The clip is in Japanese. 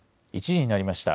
１時になりました。